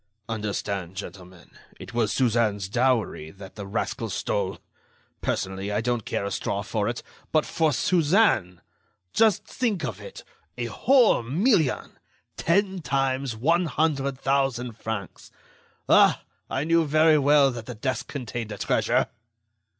"Understand, gentlemen, it was Suzanne's dowry that the rascal stole! Personally, I don't care a straw for it,... but for Suzanne! Just think of it, a whole million! Ten times one hundred thousand francs! Ah! I knew very well that the desk contained a treasure!"